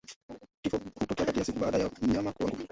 Kifo hutokea kati ya siku baada ya mnyama kuanguka